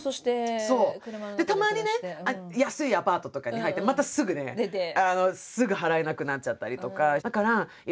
たまにね安いアパートとかに入ってまたすぐねすぐ払えなくなっちゃったりとか。